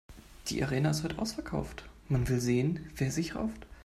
Die Arena ist heut' ausverkauft, man will sehen, wer sich rauft.